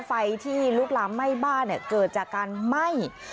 ไฟที่ลุกลามไหม้บ้านเกิดจากการไหม้